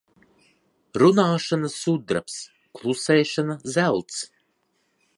Runāšana sudrabs, klusēšana zelts.